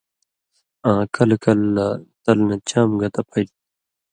آں کلہۡ کلہۡ لہ تل نہ چام گتہ پھلیۡ تُھو۔